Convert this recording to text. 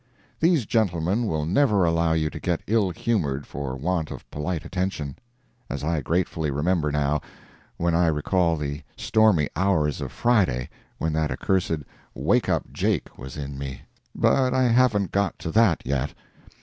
These gentlemen will never allow you to get ill humored for want of polite attention—as I gratefully remember, now, when I recall the stormy hours of Friday, when that accursed "Wake up Jake" was in me. But I haven't got to that, yet.